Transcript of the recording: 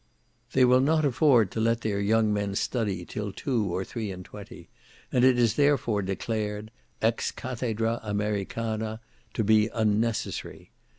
They will not afford to let their young men study till two or three and twenty, and it is therefore declared, ex cathedra Americana, to be unnecessary.